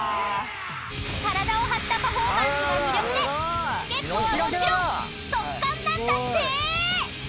［体を張ったパフォーマンスが魅力でチケットはもちろん即完なんだって！］